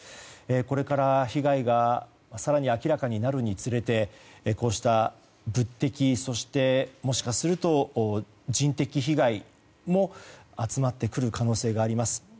これから被害が更に明らかになるにつれてこうした物的そして、もしかすると人的被害も集まってくる可能性があります。